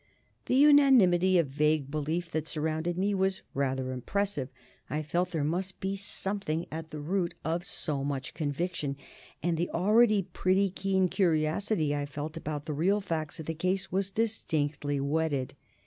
The unanimity of vague belief that surrounded me was rather impressive; I felt there must surely be SOMETHING at the root of so much conviction, and the already pretty keen curiosity I felt about the real facts of the case was distinctly whetted.